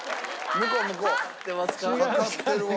かかってるわ。